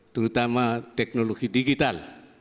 terutama teknologi digital